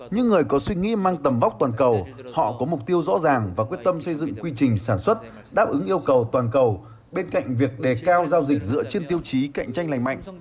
những người có suy nghĩ mang tầm vóc toàn cầu họ có mục tiêu rõ ràng và quyết tâm xây dựng quy trình sản xuất đáp ứng yêu cầu toàn cầu bên cạnh việc đề cao giao dịch dựa trên tiêu chí cạnh tranh lành mạnh